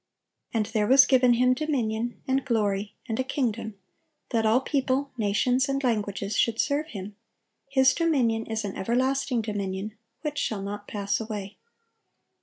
And there was given Him dominion, and glory, and a kingdom, that all people, nations, and languages, should serve Him: His dominion is an everlasting dominion, which shall not pass away."